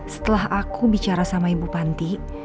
setelah aku bicara sama ibu panti